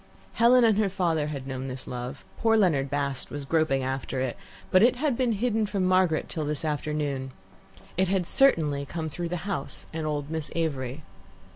Helen and her father had known this love, poor Leonard Bast was groping after it, but it had been hidden from Margaret till this afternoon. It had certainly come through the house and old Miss Avery.